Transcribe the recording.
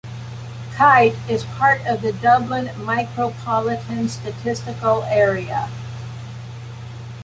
Kite is part of the Dublin Micropolitan Statistical Area.